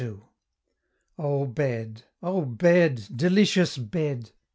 Oh bed! oh bed! delicious bed!